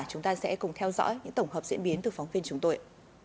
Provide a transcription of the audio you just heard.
chúng ta sẽ cùng theo dõi những tổng hợp diễn biến từ phóng viên chúng tôi